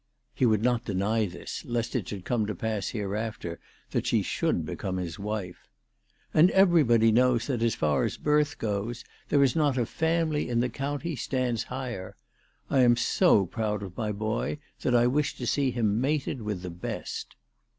He would not deny this, lest it should come to pass hereafter that she should become his wife. " And everybody knows that as far as birth goes there is not a family in the county stands higher. I am so proud of my boy that I wish to see him mated with the best."